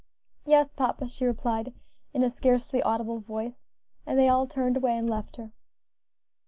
"Yes, papa," she replied in a scarcely audible voice, and they all turned away and left her.